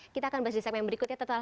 kita akan bahas di segmen berikutnya